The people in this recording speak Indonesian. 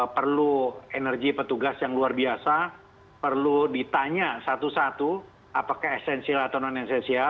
perlu energi petugas yang luar biasa perlu ditanya satu satu apakah esensial atau non esensial